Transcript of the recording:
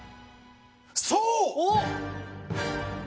そう。